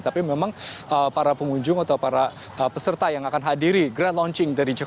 tapi memang para pengunjung atau para peserta yang akan hadiri grandlaunching dari jakarta